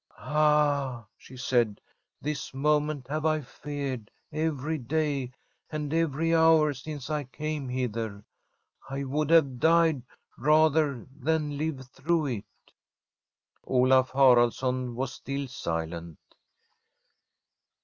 ' Ah,' she said, * this moment have I feared every day and every hour since I came hither. I would have died rather than live through it.' Olaf Haraldsson was still silent.